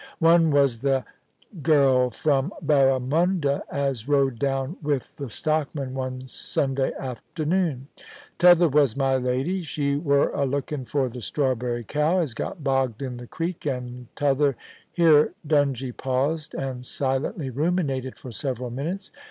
One was the gell from Barramunda, as rode down with the stockman one Sunday artemoon. T'other was my lady. She wur a looking for the strawberry cow as got bogged in the creek, and t'other ' Here Dungie paused, and silently ruminated for several minutes.